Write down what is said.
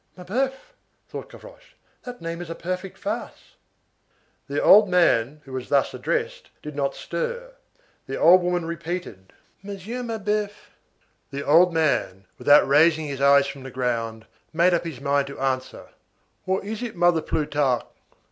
"Mabeuf!" thought Gavroche, "that name is a perfect farce." The old man who was thus addressed, did not stir. The old woman repeated:— "Monsieur Mabeuf!" The old man, without raising his eyes from the ground, made up his mind to answer:— "What is it, Mother Plutarque?"